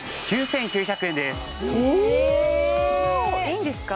いいんですか？